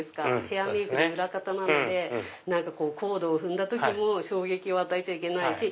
ヘアメイクで裏方なのでコードを踏んだ時も衝撃を与えちゃいけないし。